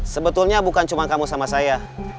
sebetulnya bukan cuma kamu sama saya